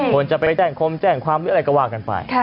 ควรจะไปแจ้งคมแจ้งความหรืออะไรก็ว่ากันไป